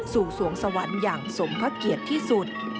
สู่สวงสวรรค์อย่างสมเข้าเกียจที่สุด